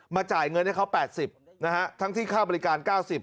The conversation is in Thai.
จ่ายเงินให้เขา๘๐นะฮะทั้งที่ค่าบริการ๙๐บาท